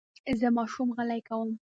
زه ماشوم غلی کوم.